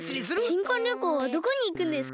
しんこんりょこうはどこにいくんですか。